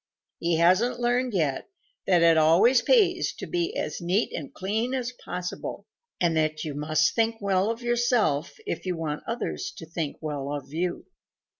He hasn't learned yet that it always pays to be as neat and clean as possible and that you must think well of yourself if you want others to think well of you.